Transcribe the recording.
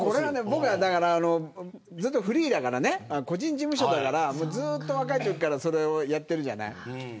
僕はずっとフリーだから個人事務所だから若いときからやってるじゃない。